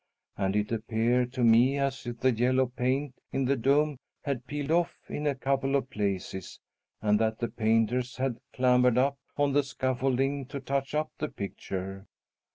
And it appeared to me as if the yellow paint in the dome had peeled off in a couple of places and that the painters had clambered up on the scaffolding to touch up the picture.